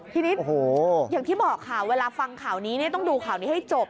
ทีนี้อย่างที่บอกค่ะเวลาฟังข่าวนี้ต้องดูข่าวนี้ให้จบ